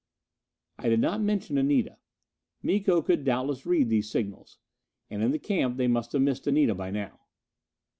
_" I did not mention Anita. Miko could doubtless read these signals. And in the camp they must have missed Anita by now.